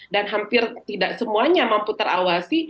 dan hampir tidak semuanya mampu terawasi